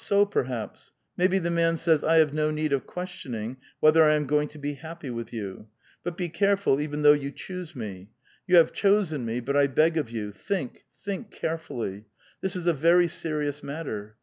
so, per haps ? Maybe the man says :' I have no need of question ing whether I am going to be happy with you ; but be careful even though you choose me. You have chosen me, but I beg of you, think, think carefully. This is a very serious matter.